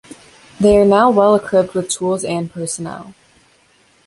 They are now well equipped with tools and personnel.